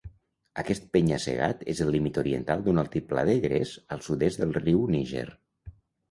Aquest penya-segat és el límit oriental d'un altiplà de gres al sud-est del riu Níger.